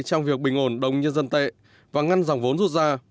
trong việc bình ổn đồng nhân dân tệ và ngăn dòng vốn rút ra